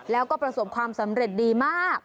แล้วก็ประสบความสำเร็จดีมาก